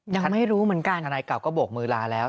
ยังไม่รู้เหมือนกันทนายเก่าก็โบกมือลาแล้ว